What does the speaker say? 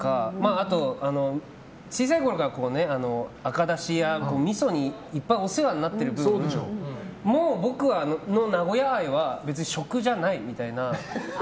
あと、小さいころから赤だしやみそにいっぱいお世話になってる分もう僕の名古屋愛は食じゃないみたいな。